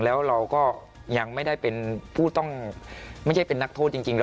แล้วเราก็ยังไม่ได้เป็นผู้ต้องไม่ใช่เป็นนักโทษจริงเลย